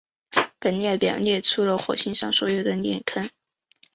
本列表列出了火星上的所有链坑。